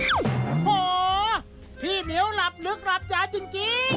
โอ้โหพี่เหมียวหลับลึกหลับยาจริง